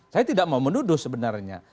saya tidak mau menuduh sebenarnya